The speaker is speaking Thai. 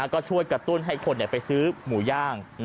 ก็ช่วยกระตุ้นให้คนไปซื้อหมูย่าง